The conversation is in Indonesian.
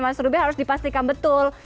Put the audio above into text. mas ruby harus dipastikan betul